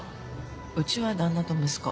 うちは旦那と息子。